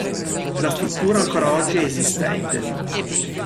La struttura ancora oggi è esistente.